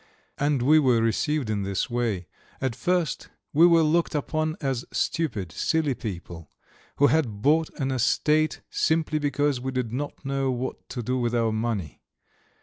And we were received in this way. At first we were looked upon as stupid, silly people, who had bought an estate simply because we did not know what to do with our money.